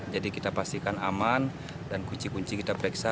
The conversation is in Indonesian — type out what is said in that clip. jadi kita pastikan aman dan kunci kunci kita periksa